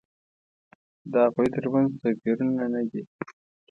د هغوی تر منځ توپیرونه نه دي.